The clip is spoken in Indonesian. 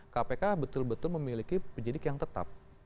kpk betul betul memiliki penyidik yang tetap